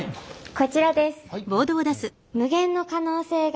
こちらです！